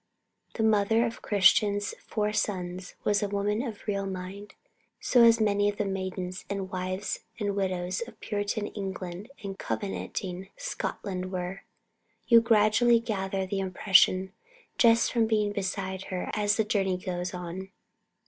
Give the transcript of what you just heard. The mother of Christian's four sons was a woman of real mind, as so many of the maidens, and wives, and widows of Puritan England and Covenanting Scotland were. You gradually gather that impression just from being beside her as the journey goes on.